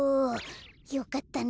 よかったね